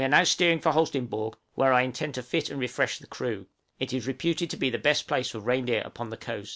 } We are steering now for Holsteinborg, where I intend to refit and refresh the crew; it is reputed to be the best place for reindeer upon the coast.